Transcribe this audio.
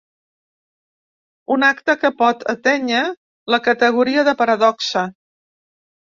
Un acte que pot atènyer la categoria de paradoxa.